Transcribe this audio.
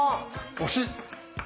惜しい。